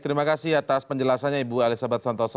terima kasih atas penjelasannya ibu elizabeth santosa